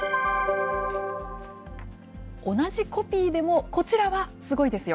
同じコピーでもこちらはすごいですよ。